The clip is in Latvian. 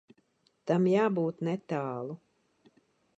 Tam jābūt netālu.